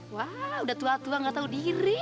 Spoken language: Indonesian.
wah udah tua tua gak tau diri